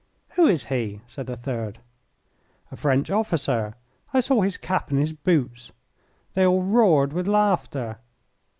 "Who is he?" said a third. "A French officer; I saw his cap and his boots." They all roared with laughter.